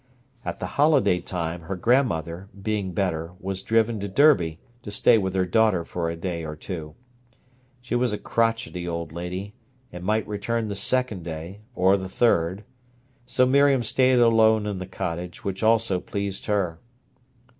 At the holiday time her grandmother, being better, was driven to Derby to stay with her daughter for a day or two. She was a crotchety old lady, and might return the second day or the third; so Miriam stayed alone in the cottage, which also pleased her.